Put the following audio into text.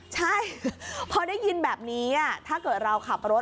ใช่พอได้ยินแบบนี้ถ้าเกิดเราขับรถ